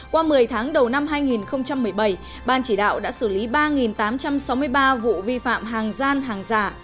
qua một mươi tháng đầu năm hai nghìn một mươi bảy ban chỉ đạo đã xử lý ba tám trăm sáu mươi ba vụ vi phạm hàng gian hàng giả